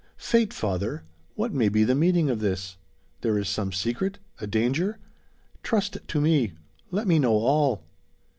"Fate, father! What may be the meaning of this? There is some secret a danger? Trust to me. Let me know all."